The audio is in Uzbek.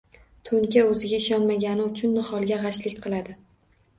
To’nka o’ziga ishonmagani uchun niholga g’ashlik qiladi.